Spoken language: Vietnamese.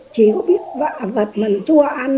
chỉ có biết vạ vật mình chua ăn